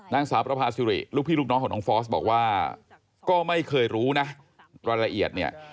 นางสาวประพาซิริลูกพี่ลูกน้องของน้องฟอสบอกว่าก็ไม่เคยรู้นะรายละเอียดเนี่ย